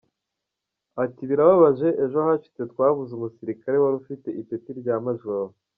Ati: Birababaje, ejo hashize twabuze umusirakare wari ufite ipeti rya majoro.